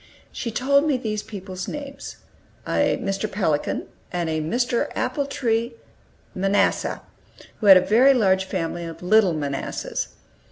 She told me these people's names a "Mr. Pelican," and a "Mr. Apple tree Manasseh," who had a very large family of little "Manassehs."